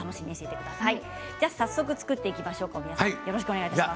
早速、作っていきましょう。